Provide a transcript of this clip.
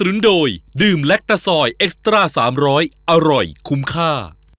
รักตะซอยเอ็กซ์ตรา๓๐๐อร่อยคุ้มค่า